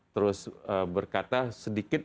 terus berkata sedikit